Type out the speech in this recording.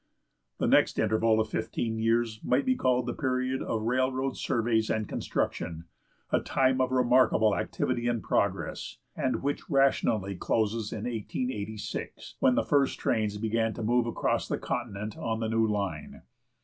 The next interval of fifteen years might be called the period of railroad surveys and construction,—a time of remarkable activity and progress,—and which rationally closes in 1886, when the first trains began to move across the continent on the new line.